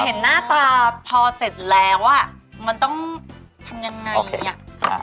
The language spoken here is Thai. เห็นหน้าตาพอเสร็จแล้วอ่ะมันต้องทำยังไงอ่ะ